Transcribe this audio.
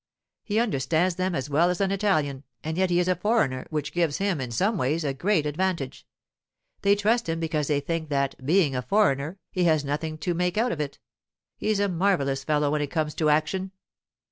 He understands them as well as an Italian, and yet he is a foreigner, which gives him, in some ways, a great advantage. They trust him because they think that, being a foreigner, he has nothing to make out of it. He's a marvellous fellow when it comes to action.